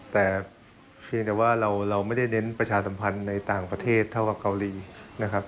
แต่เพียงแต่ว่าเราไม่ได้เน้นประชาสัมพันธ์ในต่างประเทศเท่ากับเกาหลีนะครับ